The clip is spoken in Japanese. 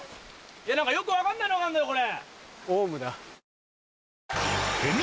何かよく分かんないのがあんだよこれ。